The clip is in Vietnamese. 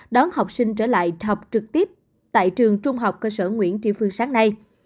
đón học sinh trở lại học trực tiếp tại trường trung học cơ sở nguyễn kiều phương sáng nay